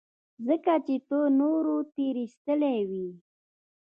ځکه چې ته نورو تېرايستلى وې.